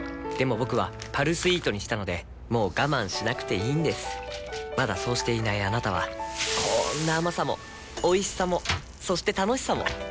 僕は「パルスイート」にしたのでもう我慢しなくていいんですまだそうしていないあなたはこんな甘さもおいしさもそして楽しさもあちっ。